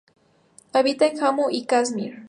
Habita en Jammu y Kashmir.